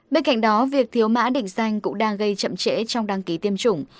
bên cạnh đó việc thiếu mã định danh cũng đang gây chậm trễ trong đăng ký tiêm chủng